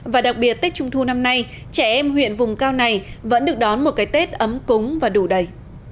và đặc biệt tết trung thu năm nay trẻ em huyện vùng cao này vẫn được đón một cái tết ấm cúng và đủ đầy